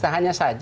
nah hanya saat itu